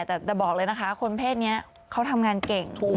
แต่จะบอกเลยนะคะคนเพศนี้เขาทำงานเก่งถูก